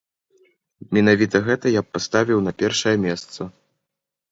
Менавіта гэта я б паставіў на першае месца.